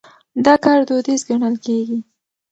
دا کار دوديز ګڼل کېږي.